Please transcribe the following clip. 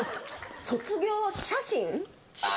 『卒業写真』？